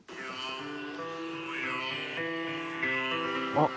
あっ。